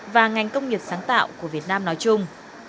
và ngành công nghiệp sáng tạo của việt nam nói chung